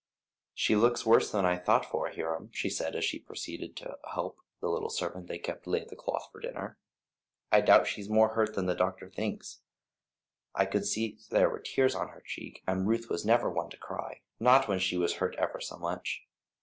"She looks worse than I thought for, Hiram," she said, as she proceeded to help the little servant they kept to lay the cloth for dinner. "I doubt she's more hurt than the doctor thinks. I could see there were tears on her cheek, and Ruth was never one to cry, not when she was hurt ever so much.